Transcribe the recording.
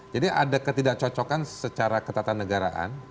jadi ada ketidak cocokan secara ketatanegaraan